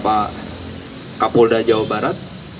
pak kapolda jawa barat